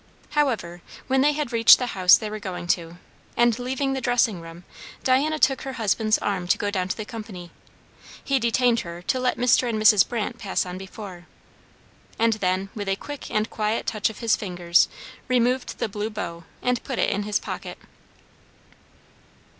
However, when they had reached the house they were going to, and leaving the dressing room Diana took her husband's arm to go down to the company, he detained her to let Mr. and Mrs. Brandt pass on before, and then with a quick and quiet touch of his fingers removed the blue bow and put it in his pocket.